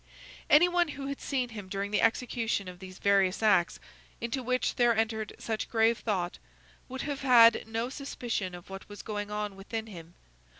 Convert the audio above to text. Any one who had seen him during the execution of these various acts, into which there entered such grave thought, would have had no suspicion of what was going on within him.